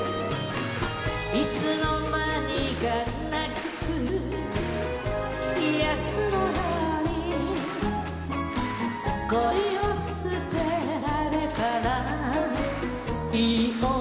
いつの間にか失くすピアスのように恋を捨てられたらいい女かしら